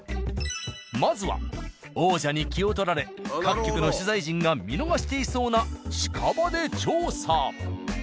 まずは王者に気を取られ各局の取材陣が見逃していそうな近場で調査。